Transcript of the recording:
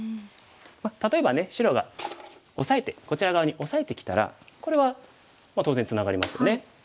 例えばね白がオサえてこちら側にオサえてきたらこれはまあ当然ツナがりますよね。